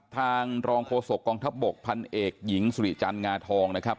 ทางรองโฆษกองทัพบกพันเอกหญิงสุริจันทร์งาทองนะครับ